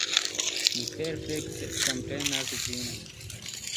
Ni perfekte komprenas vin.